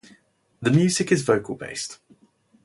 The music is vocal based.